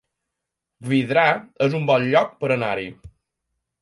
Vidrà es un bon lloc per anar-hi